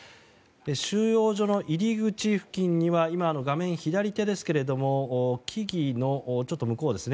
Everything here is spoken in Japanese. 収容所の入り口付近には画面左手ですが木々の向こうですね。